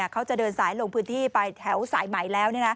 เขาจะเดินสายลงพื้นที่ไปแถวสายใหม่แล้ว